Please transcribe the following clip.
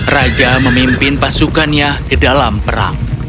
raja memimpin pasukannya ke dalam perang